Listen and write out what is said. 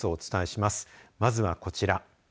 まずはこちら。